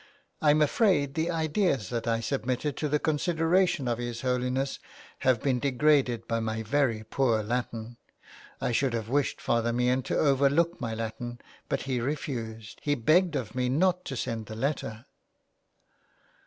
I'm afraid the ideas that I submitted to the consideration of His Holiness have been degraded by my very poor Latin. I should have wished Father Meehan to overlook my Latin, but he refused. He begged of me not to send the letter."